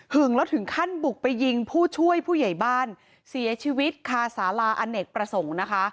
แล้วถึงขั้นบุกไปยิงผู้ช่วยผู้ใหญ่บ้านเสียชีวิตคาสาลาอเนกประสงค์นะคะ